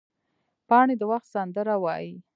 پاڼې د وخت سندره وایي